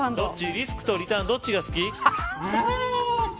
リスクとリターンどっちが好き。